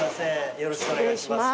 よろしくお願いします。